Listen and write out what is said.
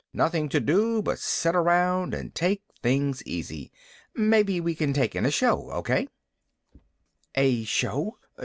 Nothing to do but sit around and take things easy. Maybe we can take in a show. Okay?" "A show?